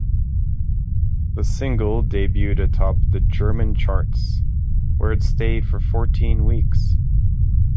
The single debuted atop the German charts, where it stayed for fourteen weeks.